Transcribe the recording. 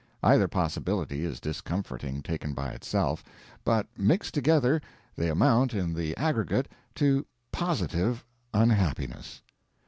Either possibility is discomforting taken by itself, but, mixed together, they amount in the aggregate to positive unhappiness.